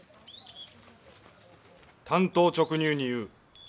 単刀直入に言う。